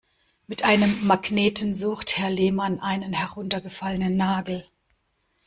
Mit einem Magneten sucht Herr Lehmann einen heruntergefallenen Nagel.